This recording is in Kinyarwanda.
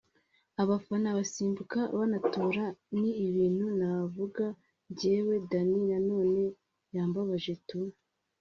abafana basimbuka banatora ni ibintu navuga njyewe Danny Nanone yambabaje tu…”